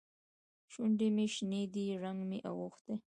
شونډې مې شنې دي؛ رنګ مې اوښتی.